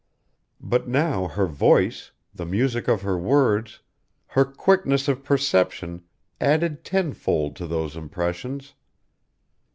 But now her voice, the music of her words, her quickness of perception added tenfold to those impressions.